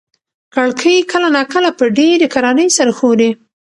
کړکۍ کله ناکله په ډېرې کرارۍ سره ښوري.